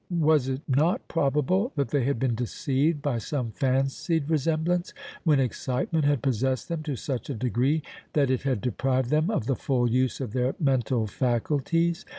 Was it not probable that they had been deceived by some fancied resemblance when excitement had possessed them to such a degree that it had deprived them of the full use of their mental faculties?